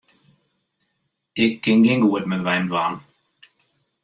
Ik kin gjin goed mear by him dwaan.